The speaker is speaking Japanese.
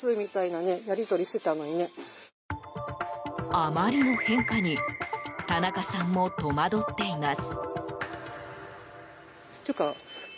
あまりの変化に田中さんも戸惑っています。